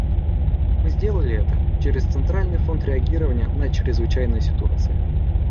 Мы сделали это через Центральный фонд реагирования на чрезвычайные ситуации.